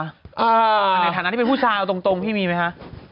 ในฐานะที่เป็นผู้ชาวตรงพี่มีมั้ยคะ